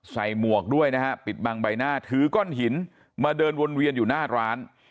หมวกด้วยนะฮะปิดบังใบหน้าถือก้อนหินมาเดินวนเวียนอยู่หน้าร้าน